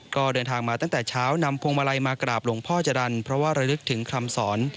ก็เดินทางมาตั้งแต่เช้านำพวงมาลัยมากราบหลวงพ่อจรรย์เพราะว่าระลึกถึงคำสอน